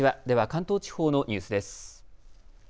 では関東地方のニュースです。